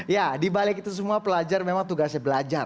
ya dibalik itu semua pelajar memang tugasnya belajar